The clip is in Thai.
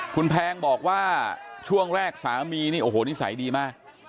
คุณแพงบอกว่าช่วงแรกสามีนี่โอ้โหนิสัยดีมาก